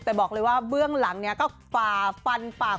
แต่บอกเลยว่าเบื้องหลังเนี่ยก็ฝ่าฟันฝ่า